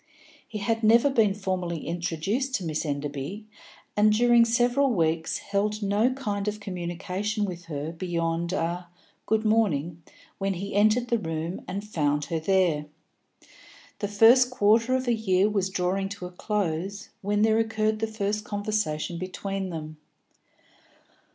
He had never been formally introduced to Miss Enderby, and during several weeks held no kind of communication with her beyond a "good morning" when he entered the room and found her there. The first quarter of a year was drawing to a close when there occurred the first conversation between them.